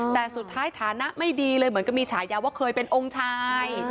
แต่สุดท้ายฐานะไม่ดีเลยเหมือนกับมีฉายาว่าเคยเป็นองค์ชาย